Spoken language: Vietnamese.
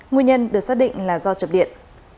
nguyên nhân được xác định là do chập điện